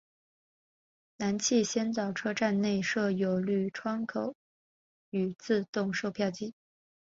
南气仙沼车站内设有绿窗口与自动售票机。